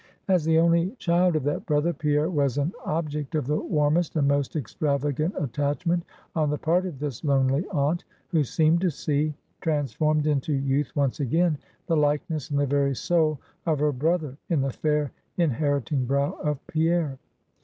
As the only child of that brother, Pierre was an object of the warmest and most extravagant attachment on the part of this lonely aunt, who seemed to see, transformed into youth once again, the likeness, and very soul of her brother, in the fair, inheriting brow of Pierre.